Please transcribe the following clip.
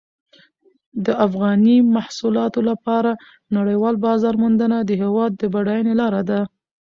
د افغاني محصولاتو لپاره نړیوال بازار موندنه د هېواد د بډاینې لاره ده.